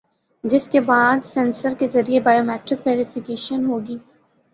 جس کے بعد سینسر کے ذریعے بائیو میٹرک ویری فیکیشن ہوگی